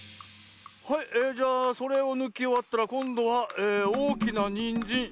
「はいえじゃあそれをぬきおわったらこんどはおおきなにんじん。